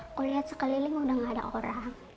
aku lihat sekeliling udah gak ada orang